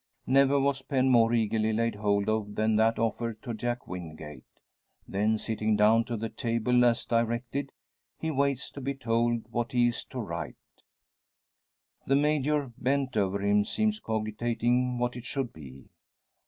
Never was pen more eagerly laid hold of than that offered to Jack Wingate. Then, sitting down to the table as directed, he waits to be told what he is to write. The Major, bent over him, seems cogitating what it should be.